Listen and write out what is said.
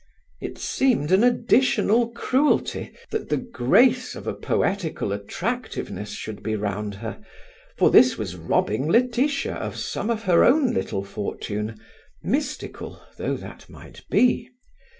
It seemed an additional cruelty that the grace of a poetical attractiveness should be round her, for this was robbing Laetitia of some of her own little fortune, mystical though that might be.